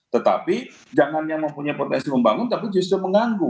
tetapi jangan yang mempunyai potensi membangun tapi justru mengganggu